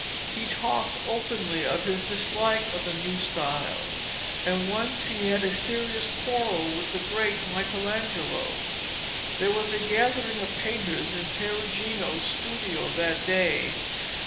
He talked openly of his dislike of the new style, and once he had a serious quarrel with the great Michelangelo. There was a gathering of painters in Perugino's studio that day.